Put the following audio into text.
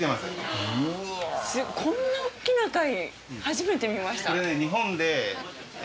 うわこんな大っきな貝初めて見ました